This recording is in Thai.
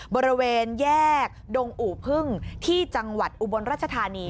บริเวณแยกดงอู่พึ่งที่จังหวัดอุบลรัชธานี